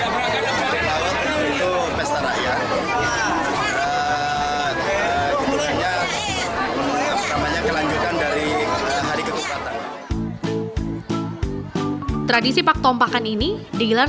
masuk ke petik laut